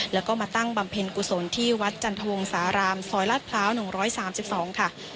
แล้วก็มาตั้งบำเพ็ญกุศลที่วัดจันทวงสารามซอยลาดพร้าว๑๓๒ค่ะ